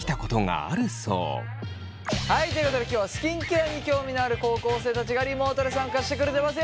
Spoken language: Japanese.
はいということで今日はスキンケアに興味のある高校生たちがリモートで参加してくれてます。